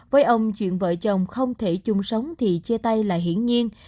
với ông chuyện vợ chồng không thể chung sống thì chia tay là hiển nhiên